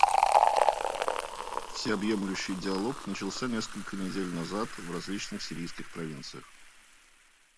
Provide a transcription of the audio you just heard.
Всеобъемлющий диалог начался несколько недель назад в различных сирийских провинциях.